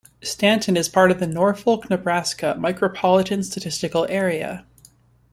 Stanton is part of the Norfolk, Nebraska Micropolitan Statistical Area.